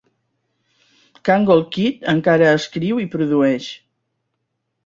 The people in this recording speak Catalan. Kangol Kid encara escriu i produeix.